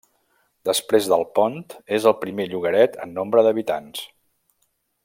Després d'Alpont és el primer llogaret en nombre d'habitants.